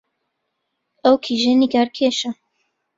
ئەو کیژە نیگارکێشە